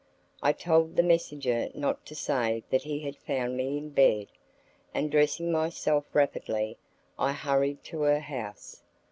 I told the messenger not to say that he had found me in bed, and dressing myself rapidly I hurried to her house.